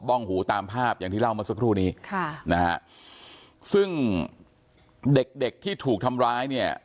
้องหูตามภาพอย่างที่เล่าเมื่อสักครู่นี้ค่ะนะฮะซึ่งเด็กเด็กที่ถูกทำร้ายเนี่ย